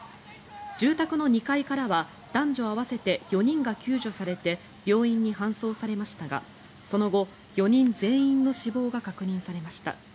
住宅の２階からは男女合わせて４人が救助され病院に搬送されましたがその後、４人全員の死亡が確認されました。